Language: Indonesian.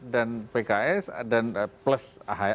dan pks dan plus